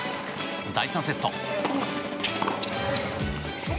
第３セット。